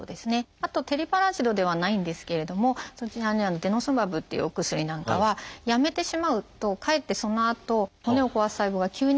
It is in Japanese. あとテリパラチドではないんですけれどもそちらにある「デノスマブ」っていうお薬なんかはやめてしまうとかえってそのあと骨を壊す細胞が急に元気になって。